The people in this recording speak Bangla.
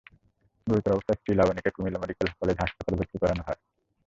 গুরুতর অবস্থায় স্ত্রী লাবণীকে কুমিল্লা মেডিকেল কলেজ হাসপাতালে ভর্তি করানো হয়।